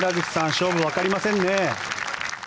勝負わかりませんね。